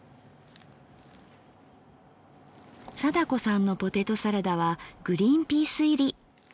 貞子さんのポテトサラダはグリンピース入り。